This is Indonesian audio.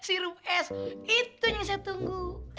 itu yang saya tunggu